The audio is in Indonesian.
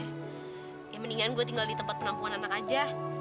ya mendingan gue tinggal di tempat penampungan anak aja